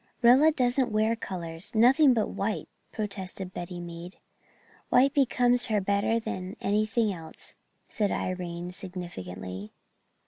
"Rilla doesn't wear colours nothing but white," protested Betty Mead. "White becomes her better than anything else," said Irene significantly.